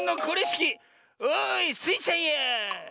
おいスイちゃんや！